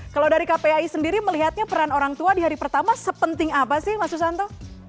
kalau dari kpai sendiri melihatnya peran orang tua di hari pertama sepenting apa sih mas susanto